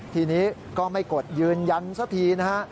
ทีนี้ก็ไม่กดยืนยันสักทีนะฮะ